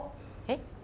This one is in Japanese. えっ？